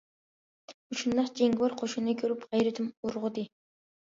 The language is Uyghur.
مۇشۇنداق جەڭگىۋار قوشۇننى كۆرۈپ، غەيرىتىم ئۇرغۇدى!